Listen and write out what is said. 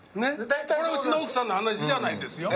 これはうちの奥さんの話じゃないですよ。